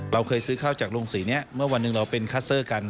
เราเคยซื้อข้าวจากโรงสีนี้เมื่อวันหนึ่งเราเป็นคัสเตอร์กัน